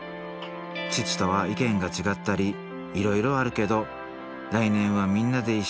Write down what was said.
父とは意見が違ったりいろいろあるけど来年はみんなで一緒にお節を食べたいな